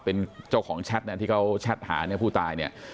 เป็นเจ้าของแชทที่เขาแชทหาผู้ตาย